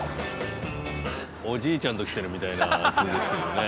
◆おじいちゃんと来てるみたいな、図ですよね。